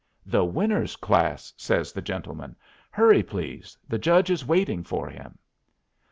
"The Winners' class," says the gentleman. "Hurry, please; the judge is waiting for him."